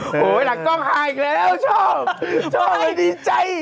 โหหลังกล้องฆ่าอีกแล้วชอบชอบมาดีใจ